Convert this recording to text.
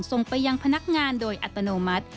ส่งไปยังพนักงานโดยอัตโนมัติ